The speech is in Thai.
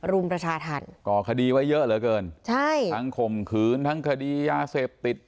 รุมประชาธรรมก่อคดีไว้เยอะเหลือเกินใช่ทั้งข่มขืนทั้งคดียาเสพติด